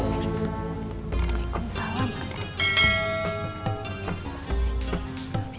gak bisa ke luar negeri